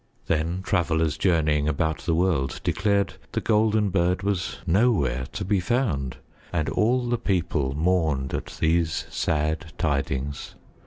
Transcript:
Then travelers journeying about the world declared The Golden Bird was nowhere to be found and all the people mourned at these sad tidings.